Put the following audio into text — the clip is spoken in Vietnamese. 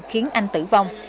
khiến anh tử vong